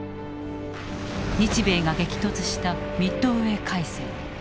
日米が激突したミッドウェー海戦。